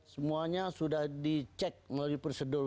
semuanya sudah dicek melalui prosedur